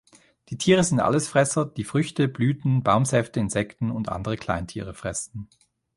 Die Tiere sind Allesfresser, die Früchte, Blüten, Baumsäfte, Insekten und andere Kleintiere fressen.